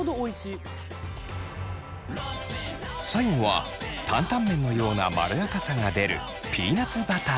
最後は担々麺のようなまろやかさが出るピーナツバター。